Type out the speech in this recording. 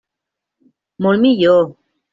Molt millor.